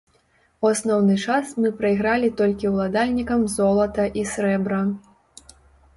У асноўны час мы прайгралі толькі ўладальнікам золата і срэбра!